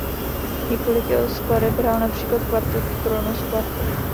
Několik jeho skladeb hrál například kvartet Kronos Quartet.